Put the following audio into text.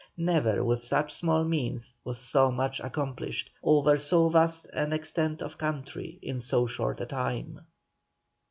Never with such small means was so much accomplished, over so vast an extent of country, in so short a time.